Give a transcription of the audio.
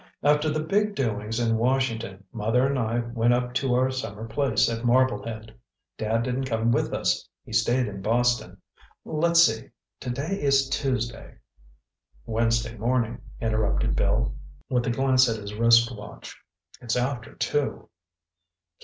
"After the big doings in Washington, Mother and I went up to our summer place at Marblehead. Dad didn't come with us. He stayed in Boston. Let's see—today is Tuesday—" "Wednesday morning," interrupted Bill, with a glance at his wristwatch. "It's after two."